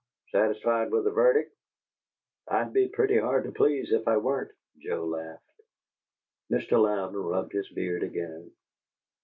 "Satisfied with the verdict?" "I'd be pretty hard to please if I weren't," Joe laughed. Mr. Louden rubbed his beard again.